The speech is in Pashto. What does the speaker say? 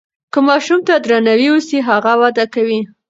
که ماشوم ته درناوی وسي هغه وده کوي.